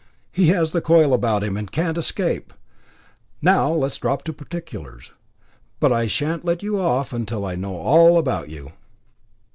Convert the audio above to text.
He has the coil about him, and can't escape. Now let us drop to particulars. But I shan't let you off till I know all about you."